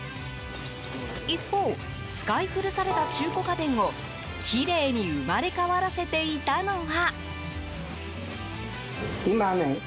一方、使い古された中古家電をきれいに生まれ変わらせていたのは。